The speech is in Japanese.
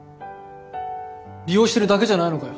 利用してるだけじゃないのかよ？